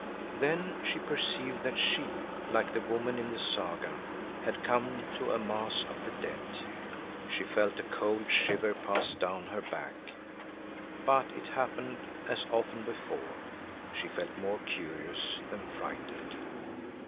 Then she perceived that she, like the woman in the saga, had come to a mass of the dead. She felt a cold shiver pass down her back, but it happened, as often before, she felt more curious than frightened.